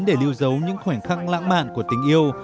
để lưu giấu những khoảnh khắc lãng mạn của tình yêu